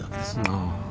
ああ。